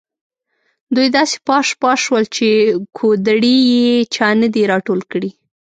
دوی داسې پاش پاش شول چې کودړي یې چا نه دي راټول کړي.